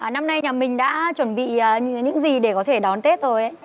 năm nay nhà mình đã chuẩn bị những gì để có thể đón tết rồi